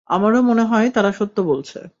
আমারও মনে হয় তারা সত্য বলছে।